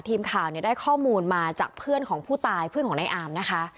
ทีมข่าวเนี่ยได้ข้อมูลมาจากเพื่อนของผู้ตายเพื่อนของนายอามนะคะ